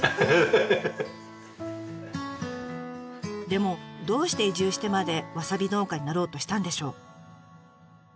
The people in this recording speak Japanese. でもどうして移住してまでわさび農家になろうとしたんでしょう？